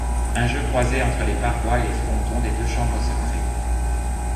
Un jeu croisé entre les parois et les frontons des deux chambres se crée.